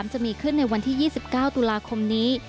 จะมีขึ้นในวันที่๒๙ตุลาคมนี้